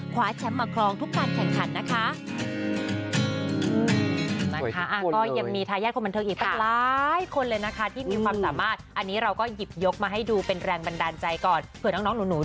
คว้าแชมป์มาครองทุกการแข่งขันนะคะ